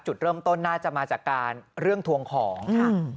จุดเริ่มต้นน่าจะมาจากการเรื่องทวงของค่ะ